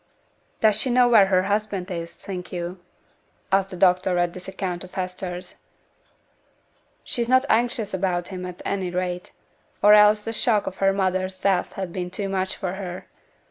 'Does she know where her husband is, think you?' asked the doctor at this account of Hester's. 'She's not anxious about him at any rate: or else the shock of her mother's death has been too much for her.